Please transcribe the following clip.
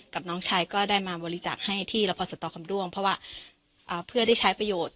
น้องชายก็ได้มาบริจาคให้ที่รพสตคำด้วงเพราะว่าเพื่อได้ใช้ประโยชน์